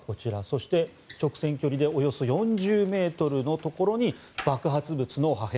そして、直線距離でおよそ４０ｍのところに爆発物の破片